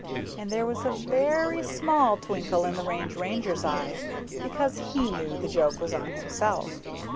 And there was a very small twinkle in the Range Ranger's eye, because he knew the joke was on himself.